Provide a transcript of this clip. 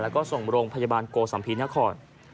แล้วก็ส่งโรงพยาบาลโกสัมภีนคร